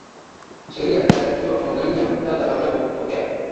sheria inatakiwa kuangalia muktadha wa jambo kutokea